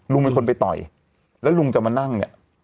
ลุงเป็นคนไปต่อยแล้วลุงจะมานั่งเนี่ย